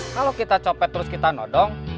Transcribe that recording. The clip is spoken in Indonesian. kalau kita copet terus kita nodong